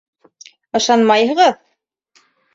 Ышанмайһығыҙ?!